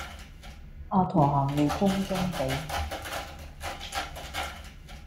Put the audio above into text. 阿駝行路中中地